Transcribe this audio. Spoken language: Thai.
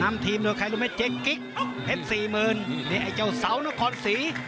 ทีมโดยใครรู้ไหมเจ๊กิ๊กเพชรสี่หมื่นนี่ไอ้เจ้าเสานครศรี